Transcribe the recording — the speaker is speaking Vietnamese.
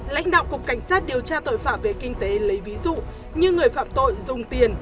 lãnh đạo cục cảnh sát điều tra tội phạm về kinh tế lấy ví dụ như người phạm tội dùng tiền